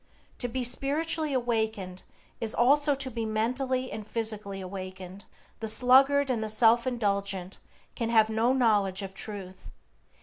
To be spiritually awakened is also to be mentally and physically awakened. The sluggard and the self indulgent can have no knowledge of Truth.